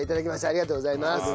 ありがとうございます。